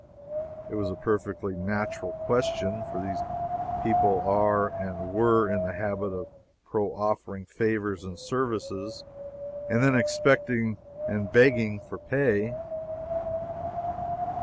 It was a perfectly natural question, for these people are and were in the habit of proffering favors and services and then expecting and begging for pay.